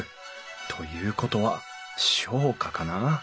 ということは商家かな。